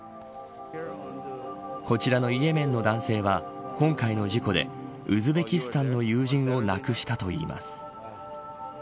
こちらのイエメンの男性は今回の事故でウズベキスタンの友人を亡くしたといいます。